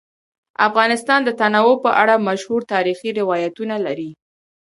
افغانستان د تنوع په اړه مشهور تاریخی روایتونه لري.